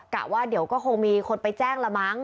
กะว่าเดี๋ยวก็คงมีคนไปแจ้งละมั้ง